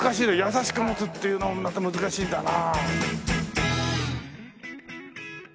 優しく持つっていうのもまた難しいんだな。